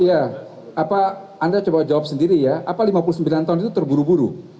iya apa anda coba jawab sendiri ya apa lima puluh sembilan tahun itu terburu buru